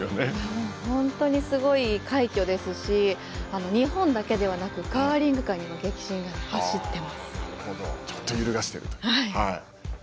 本当にすごい快挙ですし日本だけではなくカーリング界にも揺るがしていると。